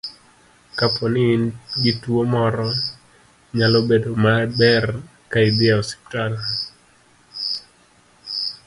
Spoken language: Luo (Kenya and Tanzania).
Kapo ni in gi tuwo moro, nyalo bedo maber ka idhi e osiptal .